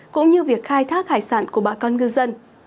cũng như việc khai thác hải sản của bà con ngư dân